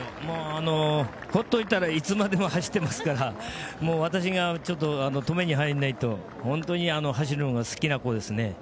放っておいたらいつまでも走ってますから私が止めに入らないと本当に走るのが好きな子ですね。